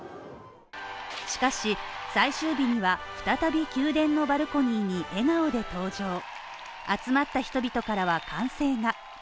しかし、最終日には再び宮殿のバルコニーに笑顔で登場集まった人々からは歓声が。